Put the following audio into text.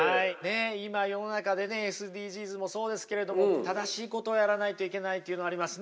今世の中でねＳＤＧｓもそうですけれども正しいことをやらないといけないというのありますね。